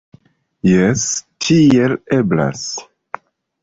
Jes, tiel eblas.